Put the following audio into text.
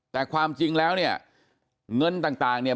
แต่ความจริงแล้วเนี่ยเงินต่างเนี่ย